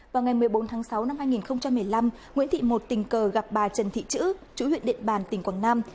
vào ngày một mươi bốn tháng sáu năm hai nghìn một mươi năm nguyễn thị một tình cờ gặp bà trần thị chữ chú huyện điện bàn tỉnh quảng nam